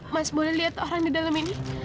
mas boleh lihat orang di dalam ini